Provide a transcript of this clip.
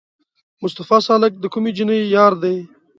مصطفی سالک د کومې جینۍ یار دی؟